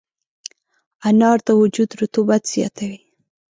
انار د وجود رطوبت زیاتوي.